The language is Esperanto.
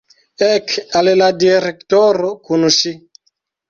Ek al la direktoro kun ŝi!